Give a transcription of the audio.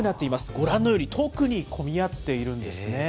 ご覧のように、特に混み合っているんですね。